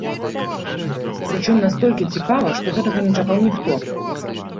Прычым, настолькі цікава, што гэтага не чакаў ніхто.